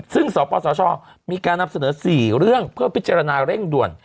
ซึ่งสปสชมีการนำเสนอ๔เรื่องเพื่อพิจารณาเร่งด่วน